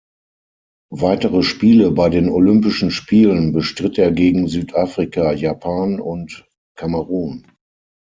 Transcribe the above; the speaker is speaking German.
Weitere Spiele bei den Olympischen Spielen bestritt er gegen Südafrika, Japan und Kamerun.